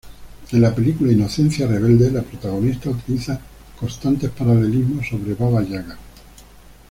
En la película "Inocencia Rebelde", la protagonista utiliza constantes paralelismos sobre Baba Yaga.